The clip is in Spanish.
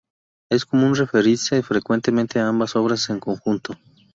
Es común referirse frecuentemente a ambas obras en conjunto.